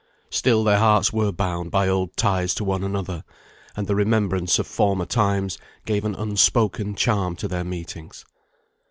Still their hearts were bound by old ties to one another, and the remembrance of former times gave an unspoken charm to their meetings.